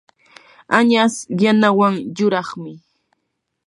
añas yanawan yuraqmi.